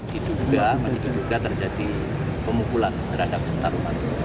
diduga masih diduga terjadi pemukulan terhadap taruna